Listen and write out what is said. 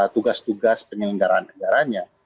tugas tugas penyelenggara negaranya